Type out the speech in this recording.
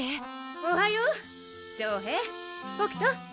おはよう翔平北斗。